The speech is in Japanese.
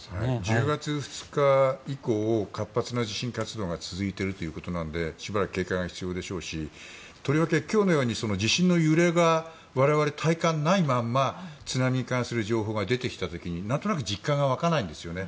１０月２日以降活発な地震活動が続いているということなのでしばらく警戒が必要でしょうしとりわけ今日のように地震の揺れ我々が体感のないまま津波に関する情報が出てきた時になんとなく実感が湧かないんですよね。